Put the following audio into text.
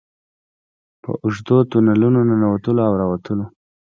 په اوږدو تونلونو ننوتلو او راوتلو.